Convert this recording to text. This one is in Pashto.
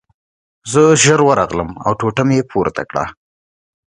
زه ژر ورغلم او ټوټه مې پورته کړه